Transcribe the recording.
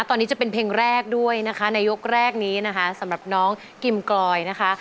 ตอนนี้จะเป็นเพลงแรกด้วยนะคะในยกแรกนี้นะคะสำหรับน้องกิมกลอยนะคะ